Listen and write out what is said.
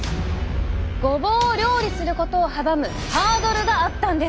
ごぼうを料理することを阻むハードルがあったんです！